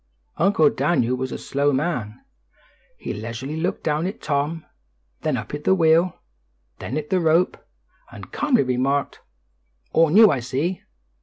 Uncle Daniel was a slow man. He leisurely looked down at Tom, then up at the wheel, then at the rope, and calmly remarked, "All new, I see."